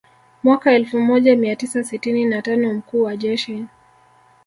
Mwaka elfu moja mia tisa sitini na tano mkuu wa jeshi